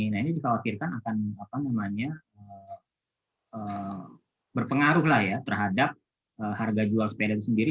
ini dikhawatirkan akan berpengaruh terhadap harga jual sepeda itu sendiri